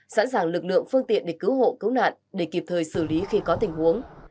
sẵn sàng lực lượng phương tiện để cứu hộ cứu nạn để kịp thời xử lý khi có tình huống